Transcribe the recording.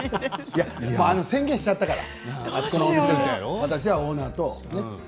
宣言しちゃったからあそこのお店で私はオーナーとね。